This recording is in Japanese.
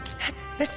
えっ？